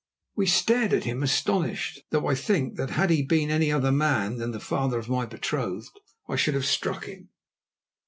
We stared at him astonished, though I think that had he been any other man than the father of my betrothed, I should have struck him.